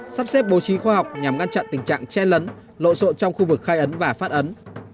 sắp xếp bố trí khoa học nhằm ngăn chặn tình trạng chen lấn lộ sộn trong khu vực khai ấn và phát ấn